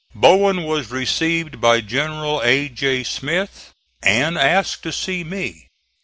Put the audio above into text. Bowen was received by General A. J. Smith, and asked to see me.